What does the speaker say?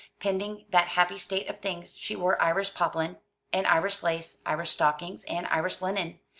Pending that happy state of things she wore Irish poplin, and Irish lace, Irish stockings, and Irish linen.